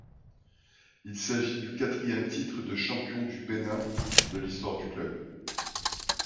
Il s'agit du quatrième titre de champion du Bénin de l'histoire du club.